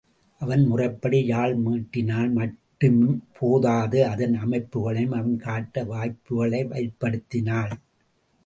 அவன் முறைப்படி யாழ் மீட்டினால் மட்டும் போதாது அதன் அமைப்புகளையும் அவன் காட்ட வாய்ப்புகளை ஏற்படுத்தினாள்.